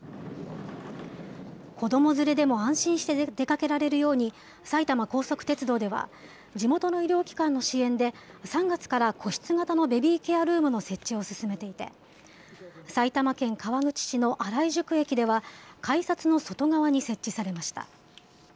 子ども連れでも安心して出かけられるように、埼玉高速鉄道では地元の医療機関の支援で、３月から個室型のベビーケアルームの設置を進めていて、埼玉県川口市の新井宿駅では、改札の外側に設置されました。